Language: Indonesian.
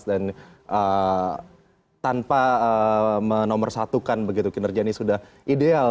dan tanpa menomorsatukan begitu kinerja ini sudah ideal